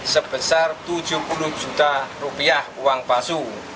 sebesar tujuh puluh juta rupiah uang palsu